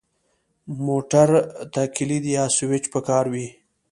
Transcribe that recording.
موټر ته کلید یا سوئچ پکار وي.